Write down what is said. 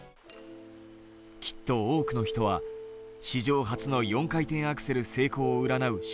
きっと多くの人は史上初の４回転アクセル成功を占う